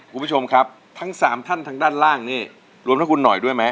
คุณผู้ชมครับทั้งสามท่านทางด้านล่างนี่รวมทั้งคุณหน่อยด้วยไหม